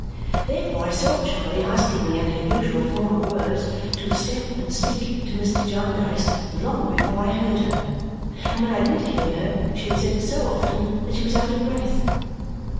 Therefore I saw Charley asking me in her usual form of words to "step and speak" to Mr. Jarndyce long before I heard her. And when I did hear her, she had said it so often that she was out of breath.